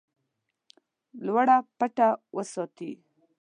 لوړه پټه وساتي.